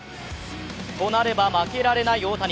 となれば負けられない大谷。